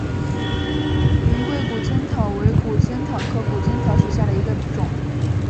云贵谷精草为谷精草科谷精草属下的一个种。